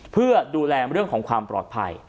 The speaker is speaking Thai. เพื่อดูแลเรื่องของความปลอดภัย